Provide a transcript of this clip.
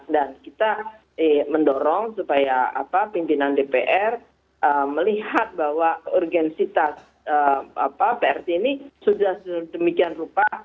dan kita mendorong supaya pimpinan dpr melihat bahwa urgensitas prt ini sudah demikian rupa